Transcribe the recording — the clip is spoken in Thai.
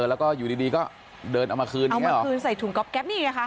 แล้วก็อยู่ดีก็เดินเอามาคืนเอามาคืนใส่ถุงก๊อบแป๊บนี่ไงคะ